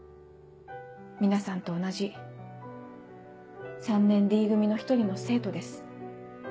皆さんと同じ３年Ｄ組の一人の生徒です。